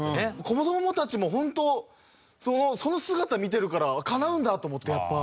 子どもたちもホントその姿見てるからかなうんだと思ってやっぱ。